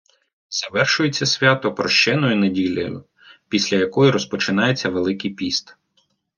Завершується свято Прощеною неділею, після якої розпочинається Великий піст.